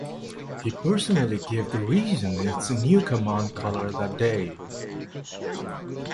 He personally gave the region its new command colour that day.